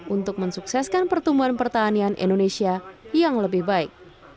untuk mensukseskan pertumbuhan pertanian indonesia yang lebih baik